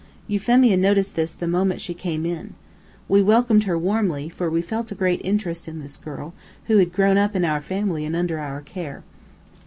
Euphemia noticed this the moment she came in. We welcomed her warmly, for we felt a great interest in this girl, who had grown up in our family and under our care.